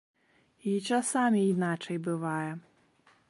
І часамі іначай бывае.